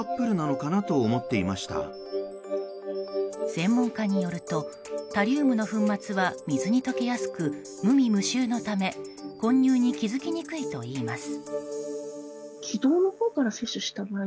専門家によるとタリウムの粉末は水に溶けやすく無味無臭のため混入に気づきにくいといいます。